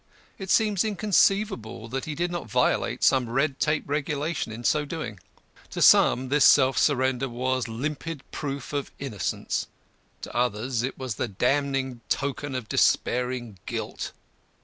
It seems inconceivable that he did not violate some red tape regulation in so doing. To some this self surrender was limpid proof of innocence; to others it was the damning token of despairing guilt.